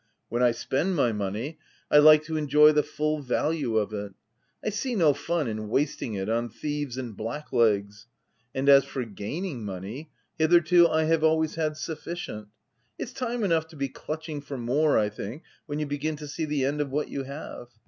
33 when I spend my money I like to enjoy the full value of it : I see no fun in wasting it on thieves and black legs ; and as for gaining money, hitherto I have always bad sufficient ; it's time enough to be clutching for more, I think, when you begin to see the end of what you have.